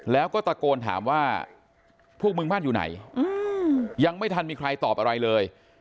แล้วก็ตะโกนถามว่าพวกมึงบ้านอยู่ไหนยังไม่ทันมีใครตอบอะไรเลย